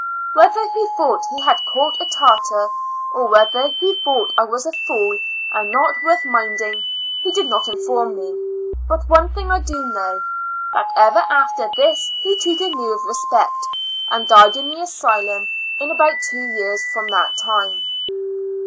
Whether he thought he had caught a tartar, or whether he thought I was a fool and not worth minding, he did not inform mej but one thing I do know, that ever after this he. treated me with respect, and died in the asylum in about two years from that time.